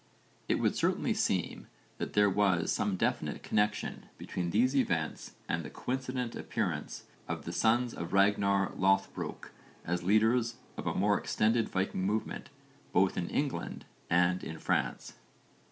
It would certainly seem that there was some definite connexion between these events and the coincident appearance of the sons of Ragnarr Loðbrók as leaders of a more extended Viking movement both in England and in France.